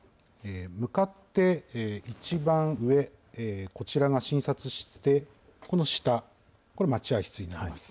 向かって一番上、こちらが診察室で、この下、これ、待合室になります。